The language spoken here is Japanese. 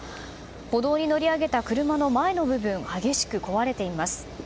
歩道に乗り上げた車の前の部分激しく壊れています。